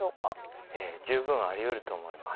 十分ありうると思います。